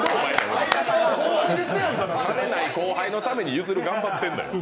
金ない後輩のためにゆずる、頑張ってるのよ。